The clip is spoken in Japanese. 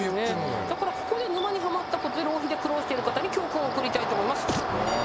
だからここで沼にハマった事で浪費で苦労している方に教訓を送りたいと思います。